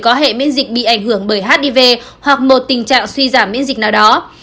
có hệ miễn dịch bị ảnh hưởng bởi hiv hoặc một tình trạng suy giảm miễn dịch nào đó